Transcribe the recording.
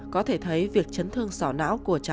có thể thấy việc chấn thương sỏ não của bác sĩ thơm